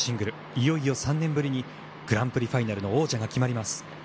いよいよ３年ぶりにグランプリファイナルの王者が決まります。